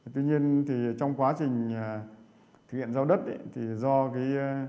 tuy nhiên thì trong quá trình thực hiện giao đất thì do cái